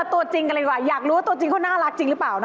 เจอตัวจริงกันเลยกะอยากรู้ตัวจริงคนน่ารักจริงรึเปล่าฮะ